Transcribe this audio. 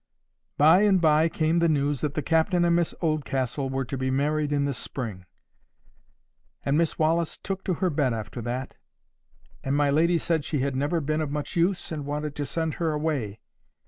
By and by came the news that the captain and Miss Oldcastle were to be married in the spring. And Miss Wallis took to her bed after that; and my lady said she had never been of much use, and wanted to send her away.